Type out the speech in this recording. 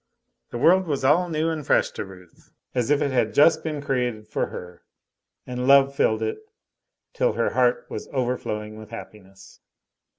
The world was all new and fresh to Ruth, as if it had just been created for her, and love filled it, till her heart was overflowing with happiness.